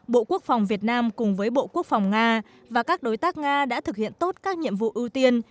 bộ quốc phòng việt nam cùng với bộ quốc phòng nga và các đối tác nga đã thực hiện tốt các nhiệm vụ ưu tiên